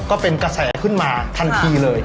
ก็เป็นกระแสขึ้นมาทันทีเลย